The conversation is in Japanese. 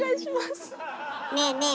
ねえねえ